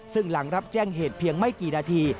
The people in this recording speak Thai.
ซึ่งหลังรับแจ้งเหตุเพียงไม่กี่นาที